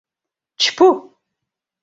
— Чпу...